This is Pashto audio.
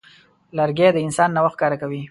لرګی د انسان نوښت ښکاره کوي.